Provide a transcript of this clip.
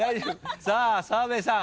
さあ澤部さん